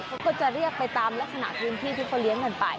เขาก็จะเรียกไปตามลักษณะพื้นที่ที่เขาเลี้ยงกันไป